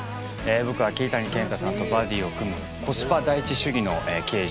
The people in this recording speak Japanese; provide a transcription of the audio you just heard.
僕は桐谷健太さんとバディを組むコスパ第一主義の刑事を演じています。